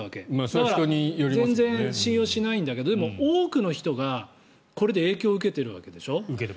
だから全然信用しないんだけどでも、多くの人がこれで影響を受けてるわけでしょ。